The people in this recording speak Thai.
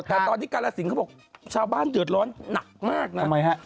แต่ตอนที่กาลสิงห์เขาบอกชาวบ้านเดือดร้อนหนักมากนะ